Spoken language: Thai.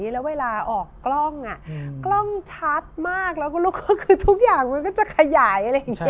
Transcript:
แล้วเวลาออกกล้องกล้องชัดมากแล้วก็ลูกคือทุกอย่างมันก็จะขยาย